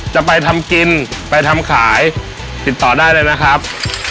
จะไปทำกินไปทำขายติดต่อได้เลยนะครับ